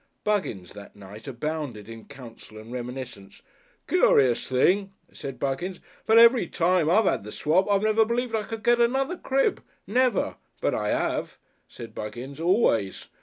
Buggins that night abounded in counsel and reminiscence. "Curious thing," said Buggins, "but every time I've had the swap I've never believed I should get another Crib never. But I have," said Buggins. "Always.